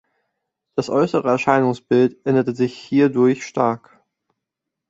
Das äußere Erscheinungsbild änderte sich hierdurch stark.